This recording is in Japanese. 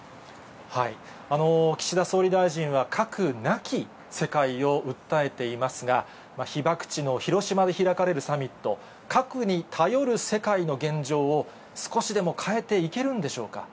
岸田総理大臣は、核なき世界を訴えていますが、被爆地の広島で開かれるサミット、核に頼る世界の現状を少しでも変えていけるんでしょうか。